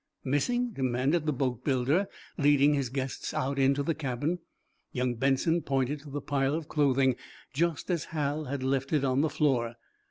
"Missing?" demanded the boatbuilder, leading his guests out into the cabin. Young Benson pointed to the pile of clothing, just as Hal had left it on the floor.